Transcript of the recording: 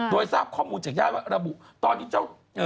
โดยทราบข้อมูลจากย่ายว่าตอนนี้เจ้า